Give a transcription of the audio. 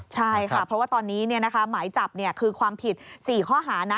ใช่ค่ะเพราะว่าตอนนี้หมายจับคือความผิด๔ข้อหานะ